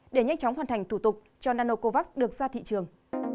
để nhanh chóng hoàn thành thủ tục cho nanocovax được ra thị trường